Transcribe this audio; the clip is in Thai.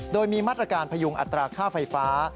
โดยมีมาตรการพยุงอัตราค่าไฟฟ้า